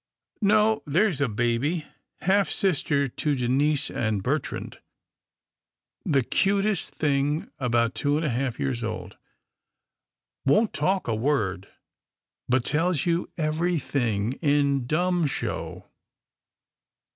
" No, there's a baby, half sister to Denise and Bertrand — the 'cutest thing about two and a half years old. Won't talk a word, but tells you every thing in dumb show.